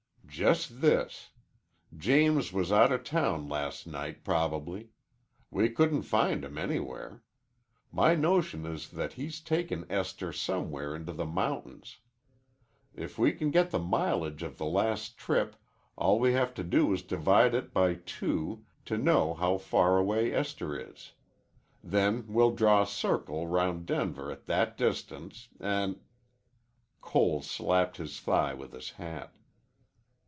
"Just this. James was outa town last night probably. We couldn't find him anywhere. My notion is that he's taken Esther somewhere into the mountains. If we can get the mileage of the last trip, all we have to do is to divide it by two to know how far away Esther is. Then we'll draw a circle round Denver at that distance an' " Cole slapped his thigh with his hat.